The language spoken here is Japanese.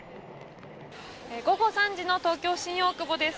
午後３時の東京・新大久保です。